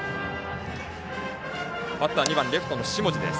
バッターは２番レフトの下地です。